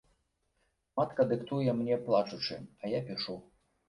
Матка дыктуе мне плачучы, а я пішу.